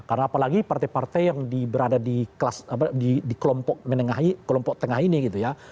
karena apalagi partai partai yang diberada di kelompok menengah kelompok tengah ini gitu ya